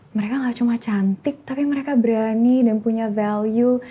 mereka gak cuma cantik tapi mereka berani dan punya value